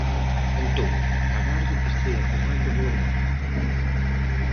Entón, agardo que estea tomando boa nota.